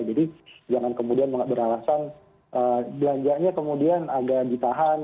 jadi jangan kemudian berharasan belanjanya kemudian agak ditahan